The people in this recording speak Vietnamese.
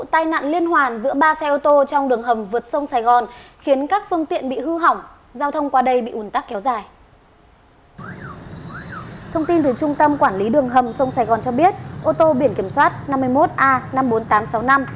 thông tin từ trung tâm quản lý đường hầm sông sài gòn cho biết ô tô biển kiểm soát năm mươi một a năm mươi bốn nghìn tám trăm sáu mươi năm